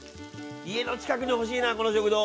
家の近くに欲しいなこの食堂。